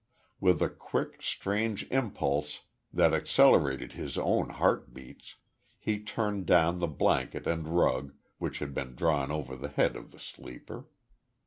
With a quick, strange impulse that accelerated his own heartbeats he turned down the blanket and rug, which had been drawn over the head of the sleeper.